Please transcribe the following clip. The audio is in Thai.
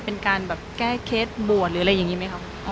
เป็นการแบบแก้เคสบวชหรืออะไรอย่างนี้ไหมครับ